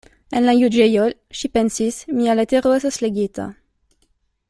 En la juĝejo, ŝi pensis, mia letero estos legita.